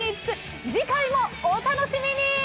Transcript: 次回もお楽しみに！